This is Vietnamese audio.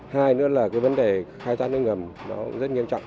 hai nữa là vấn đề khai thác nước ngầm rất nghiêm trọng